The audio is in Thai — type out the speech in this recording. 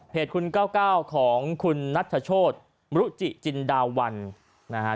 เพจคุณก้าวของคุณนัทชโชฎมรุจิจินดาวัลนะฮะ